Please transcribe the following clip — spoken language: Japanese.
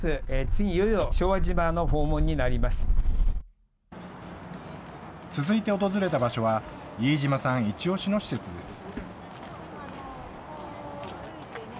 次、続いて訪れた場所は、飯嶋さんイチオシの場所です。